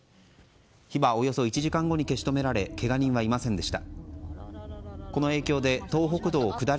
火はおよそ１時間後に消し止められけが人はいませんでした。